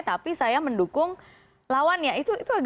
tapi saya mendukung lawan yang tidak bisa dihukum